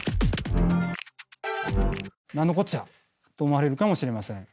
何のこっちゃ？と思われるかもしれません。